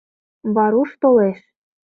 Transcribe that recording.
Варуш толеш.